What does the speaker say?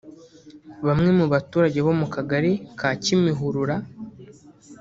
Bamwe mu baturage bo mu Kagari ka Kimihurura